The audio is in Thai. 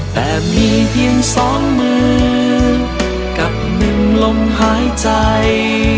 แต่มีเพียงสองมือกับหนึ่งลมหายใจ